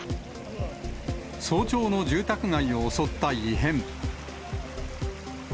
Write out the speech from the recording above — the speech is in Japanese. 早朝の住宅街を襲った異変。